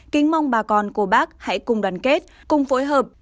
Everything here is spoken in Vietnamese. kính mong bà con của bác hãy cùng đoàn kết cùng phối hợp